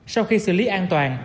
sau khi xử lý an toàn